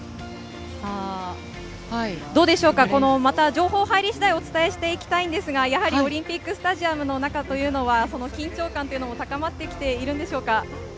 また情報が入り次第お伝えしていきたいんですがオリンピックスタジアムの中というのは緊張感というのは高まって来ているんでしょうか？